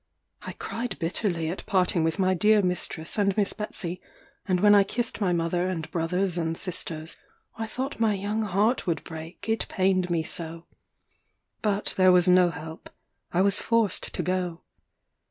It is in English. I cried bitterly at parting with my dear mistress and Miss Betsey, and when I kissed my mother and brothers and sisters, I thought my young heart would break, it pained me so. But there was no help; I was forced to go.